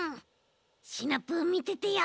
シナプーみててよ。